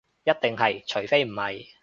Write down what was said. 一定係，除非唔係